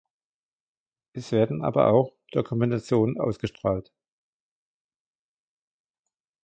Es werden aber auch Dokumentationen ausgestrahlt.